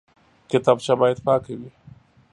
کتابچه باید پاکه وي